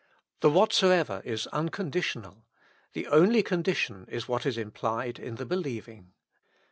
The WHATSOEVER is Unconditional : the only condition is what is implied in the believing.